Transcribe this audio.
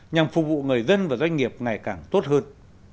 nhằm phục vụ người dân và doanh nghiệp ngày càng tốt hơn